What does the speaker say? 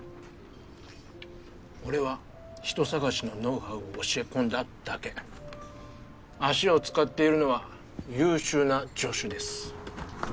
俺は人探しのノウハウを教え込んだだけ足を使っているのは優秀な助手です。